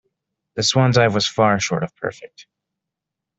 The swan dive was far short of perfect.